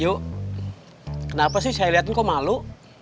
yu kenapa sih saya lihatin kau malu